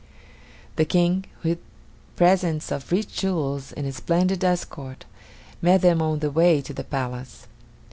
The King, with presents of rich jewels and a splendid escort, met them on the way to the palace.